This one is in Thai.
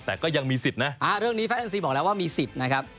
แต่ก็ยังมีสิทธิ์นะเรื่องนี้แฟนซีบอกแล้วว่ามีสิทธิ์นะครับ